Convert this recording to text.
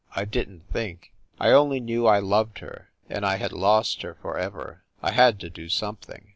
I didn t think. I only knew I loved her, and I had lost her for ever. I had to do something."